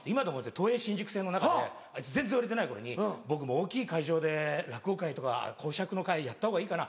都営新宿線の中であいつ全然売れてない頃に「僕も大きい会場で落語会とか講釈の会やったほうがいいかな？」。